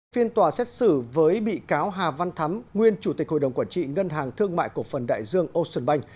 phiên tòa xét xử với bị cáo hà văn thắm nguyên chủ tịch hội đồng quản trị ngân hàng thương mại cổ phần đại dương ocean bank